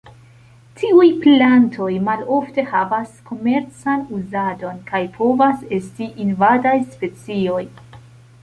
Tiuj plantoj malofte havas komercan uzadon, kaj povas esti invadaj specioj.